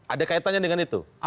ada kaitannya dengan itu